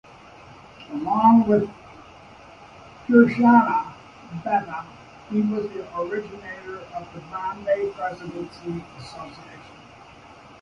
Along with Pherozshah Mehta, he was the originator of the Bombay Presidency Association.